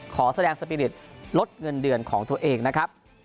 ขอแสดงสปีริตลดเงินเดือนของตัวเองนะครับ